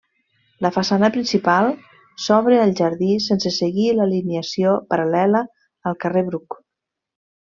La façana principal s'obre al jardí sense seguir l'alineació paral·lela al carrer Bruc.